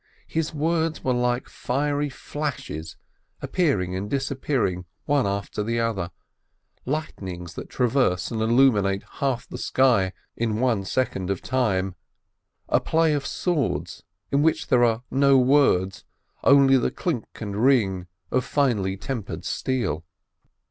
His words were like fiery flashes appear ing and disappearing one after the other, lightnings that traverse and illumine half the sky in one second of time, a play of swords in which there are no words, only the clink and ring of finely tempered steel.